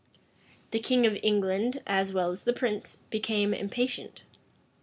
The king of England, as well as the prince, became impatient.